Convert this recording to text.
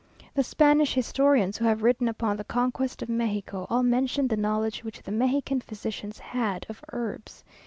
The Spanish historians who have written upon the conquest of Mexico, all mention the knowledge which the Mexican physicians had of herbs.